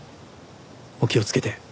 お気をつけて。